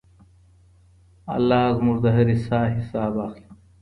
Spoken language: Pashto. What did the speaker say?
الله زموږ د هرې ساه حساب اخلي.